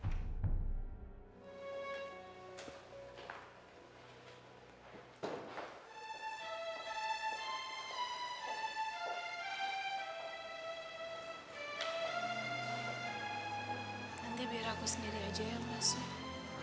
nanti biar aku sendiri aja yang masuk